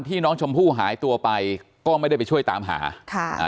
น้องชมพู่หายตัวไปก็ไม่ได้ไปช่วยตามหาค่ะอ่า